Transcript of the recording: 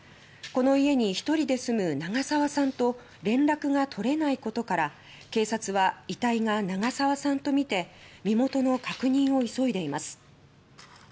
この家に１人で住む永沢さんと連絡が取れないことから警察は遺体が永沢さんとみて身元の確認を急いでいます。